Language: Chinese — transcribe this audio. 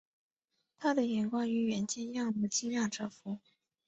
他的眼光与远见让我惊讶折服